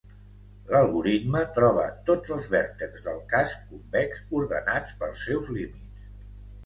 L'algoritme troba tots els vèrtexs del casc convex ordenats pels seus límits.